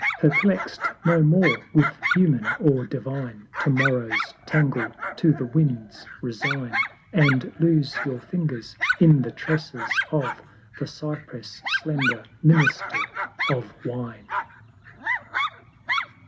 XLI. Perplext no more with Human or Divine, To morrow's tangle to the winds resign, And lose your fingers in the tresses of The Cypress slender Minister of Wine.